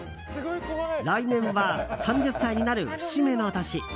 来年は３０歳になる節目の年。